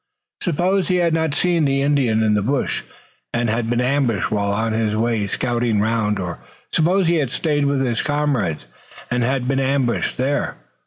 Suppose he had not seen the Indian in the bush, and had been ambushed while on his scouting round! Or suppose he had stayed with his comrades and had been ambushed there!